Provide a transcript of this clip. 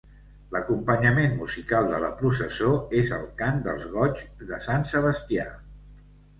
L’acompanyament musical de la processó és el cant dels goigs de Sant Sebastià.